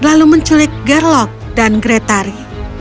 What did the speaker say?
lalu menculik gerlok dan gretari